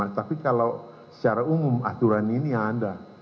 tapi kalau secara umum aturan ini ada